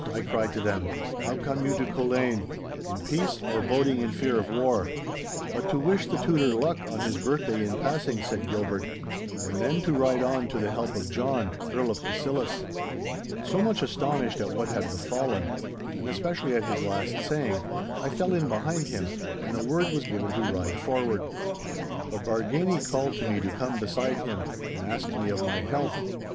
I cried to them. 'How come you to Culzean—in peace or boding in fear of war?' 'But to wish the Tutor luck on his birthday in passing,' said Gilbert, 'and then to ride on to the help of John, Earl of Cassillis.' So, much astonished at what had befallen, and especially at his last saying, I fell in behind him, and the word was given to ride forward. But Bargany called me to come beside him, and asked me of my health.